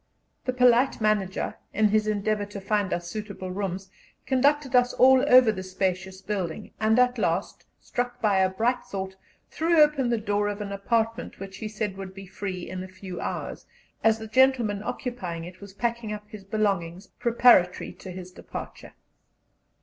The polite manager, in his endeavour to find us suitable rooms, conducted us all over the spacious building, and at last, struck by a bright thought, threw open the door of an apartment which he said would be free in a few hours, as the gentleman occupying it was packing up his belongings preparatory to his departure.